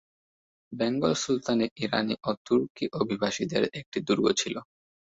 বেঙ্গল সুলতানি ইরানী ও তুর্কি অভিবাসীদের একটি দুর্গ ছিল।